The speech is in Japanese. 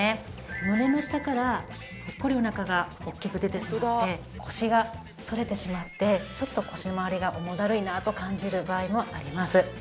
胸の下からポッコリお腹が大きく出てしまって腰が反れてしまってちょっと腰まわりが重だるいなと感じる場合もあります。